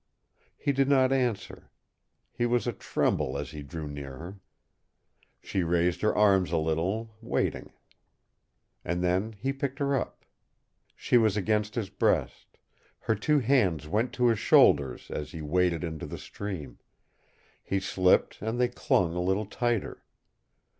He did not answer. He was a tremble as he drew near her. She raised her arms a little, waiting. And then he picked her up. She was against his breast. Her two hands went to his shoulders as he waded into the stream; he slipped, and they clung a little tighter.